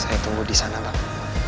saya tunggu di sana mbak